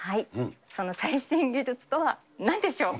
その最新技術とは何でしょう。